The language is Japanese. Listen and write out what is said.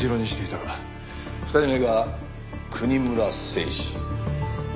２人目が国村誠司。